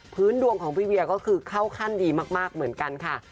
ดวงของพี่เวียก็คือเข้าขั้นดีมากเหมือนกันค่ะ